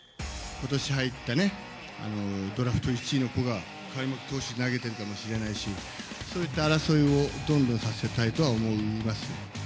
ことし入ったね、ドラフト１位の子が開幕投手で投げてるかもしれないし、そういった争いを、どんどんさせたいとは思います。